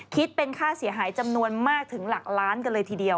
คิดเป็นค่าเสียหายจำนวนมากถึงหลักล้านกันเลยทีเดียว